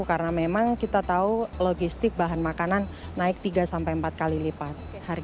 karena memang kita tahu logistik bahan makanan naik tiga empat kali lipat